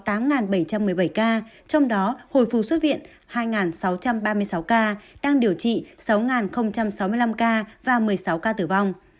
trong đó hồi phù xuất viện hai sáu trăm ba mươi sáu ca đang điều trị sáu sáu mươi năm ca và một mươi sáu ca tử vong